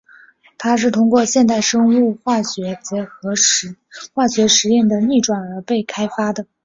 它是通过现代生物化学结合化学实验的逆转而被开发的。